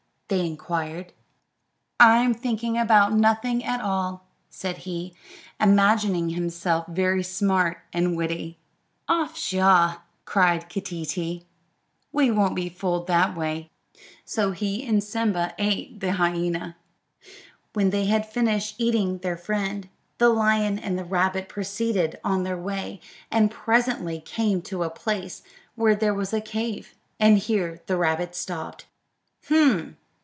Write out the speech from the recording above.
they inquired. "I'm thinking about nothing at all," said he, imagining himself very smart and witty. "Ah, pshaw!" cried Keeteetee; "we won't be fooled that way." So he and Simba ate the hyena. When they had finished eating their friend, the lion and the rabbit proceeded on their way, and presently came to a place where there was a cave, and here the rabbit stopped. "H'm!"